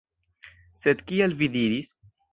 Sed kial vi diris?